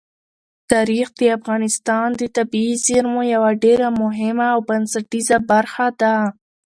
تاریخ د افغانستان د طبیعي زیرمو یوه ډېره مهمه او بنسټیزه برخه ده.